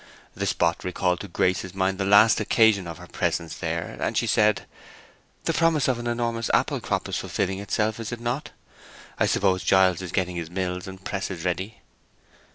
The spot recalled to Grace's mind the last occasion of her presence there, and she said, "The promise of an enormous apple crop is fulfilling itself, is it not? I suppose Giles is getting his mills and presses ready."